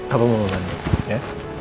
apa mama bantu ya